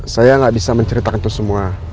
saya nggak bisa menceritakan itu semua